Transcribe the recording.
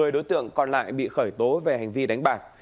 một mươi đối tượng còn lại bị khởi tố về hành vi đánh bạc